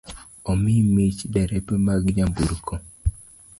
Omi mich derepe mag nyamburko